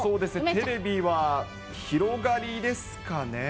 テレビは、広がりですかね。